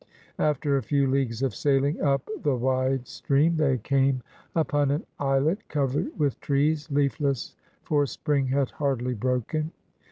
After a few leagues of sailing up the wide stream, they came upon an islet covered with trees, leafless, for spring had hardly broken.